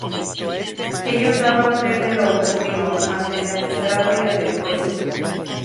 Ellos daban fe de lo ocurrido, ante el magistrado y ante el juez.